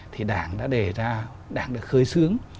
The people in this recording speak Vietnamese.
thì đảng đã đề ra đảng đã khởi xướng